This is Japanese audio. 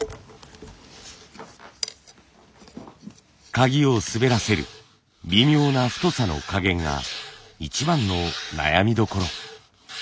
鍵を滑らせる微妙な太さの加減が一番の悩みどころ。